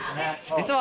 実は。